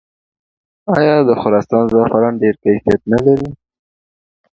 آیا د خراسان زعفران ډیر کیفیت نلري؟